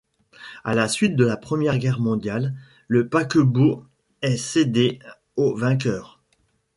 À la suite de la Première Guerre mondiale, le paquebot est cédé aux vainqueurs.